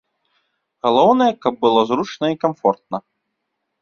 Галоўнае, каб было зручна і камфортна.